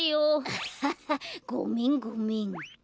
アハハごめんごめん。